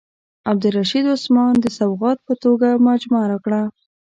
عبدالرشید عثمان د سوغات په توګه مجموعه راکړه.